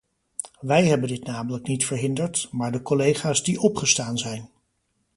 Wij hebben dit namelijk niet verhinderd, maar de collega's die opgestaan zijn.